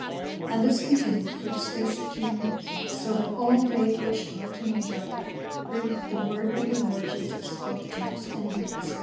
* "And this continued for the space of two years ; so that all they which dwelt in Asia heard the word of the Lord Jesus, both Jews and Greeks."